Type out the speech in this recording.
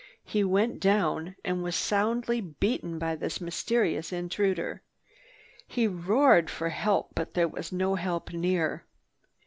He went down and was soundly beaten by this mysterious intruder. He roared for help, but there was no help near.